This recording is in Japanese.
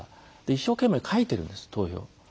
一生懸命書いているんです投票を。